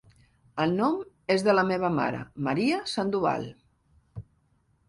El nom és de la meva mare, Maria Sandoval.